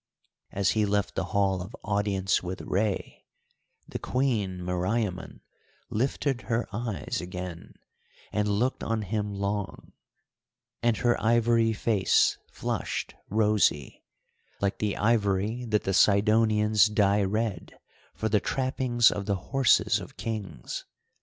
As he left the Hall of Audience with Rei, the Queen Meriamun lifted her eyes again, and looked on him long, and her ivory face flushed rosy, like the ivory that the Sidonians dye red for the trappings of the horses of kings.